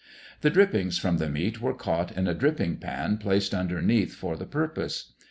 The drippings from the meat were caught in a dripping pan placed underneath for the purpose.